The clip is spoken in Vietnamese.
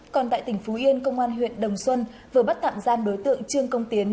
còn tại tỉnh phú yên công an huyện đồng xuân vừa bắt tạm giam đối tượng trương công tiến